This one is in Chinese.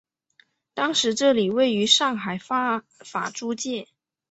当时这里位于上海法租界。